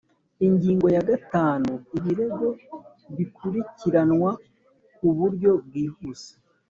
Ingingo ya gatanu Ibirego bikurikiranwa ku buryo bwihuse